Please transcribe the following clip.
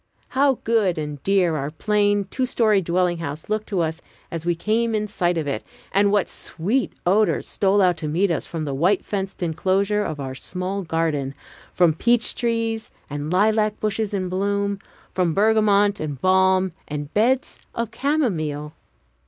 How good and dear our plain, two story dwelling house looked to us as we came in sight of it, and what sweet odors stole out to meet us from the white fenced inclosure of our small garden, from peach trees and lilac bushes in bloom, from bergamot and balm and beds of camomile!